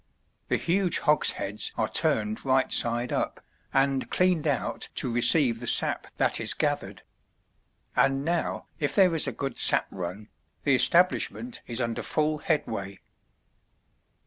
The huge hogsheads are turned right side up, and cleaned out to receive the sap that is gathered. And now, if there is a good "sap run," the establish ment is under full headway.